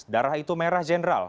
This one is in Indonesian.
darah itu merah jeneral